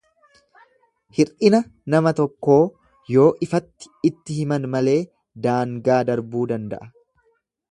Hir'ina nama tokkoo yoo ifatti itti himan malee daangaa darbuu danda'a.